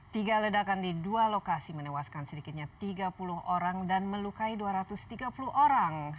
tiga ledakan di dua lokasi menewaskan sedikitnya tiga puluh orang dan melukai dua ratus tiga puluh orang